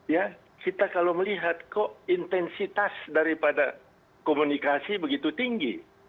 ya kita kalau melihat kok intensitas daripada komunikasi begitu tinggi